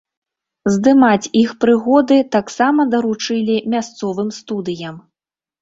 Здымаць іх прыгоды таксама даручылі мясцовым студыям.